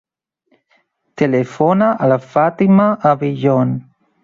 Telefona a la Fàtima Abeijon.